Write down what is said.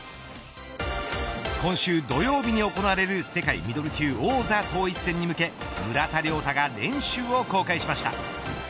今週土曜日に行われる世界ミドル級王座統一に向けて村田諒太が練習を公開しました。